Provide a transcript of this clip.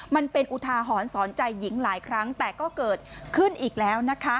อุทาหรณ์สอนใจหญิงหลายครั้งแต่ก็เกิดขึ้นอีกแล้วนะคะ